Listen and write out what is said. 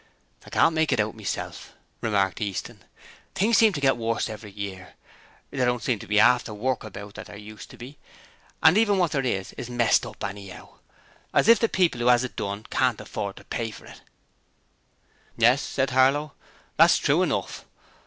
'I can't make it out, myself,' remarked Easton. 'Things seems to get worse every year. There don't seem to be 'arf the work about that there used to be, and even what there is is messed up anyhow, as if the people who 'as it done can't afford to pay for it.' 'Yes,' said Harlow; 'that's true enough.